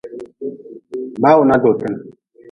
Bawuna dootin.